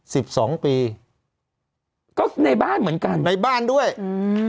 สิบสองปีก็ในบ้านเหมือนกันในบ้านด้วยอืม